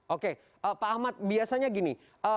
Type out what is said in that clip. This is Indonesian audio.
oke pak ahmad biasanya gini